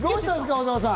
小澤さん。